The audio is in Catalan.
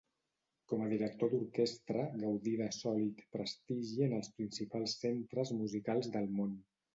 Com a director d'orquestra, gaudí de sòlit prestigi en els principals centres musicals del món.